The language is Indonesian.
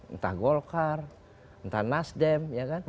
entah golkar entah nasdem